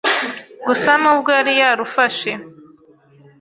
Gusa nubwo yari yarufashe,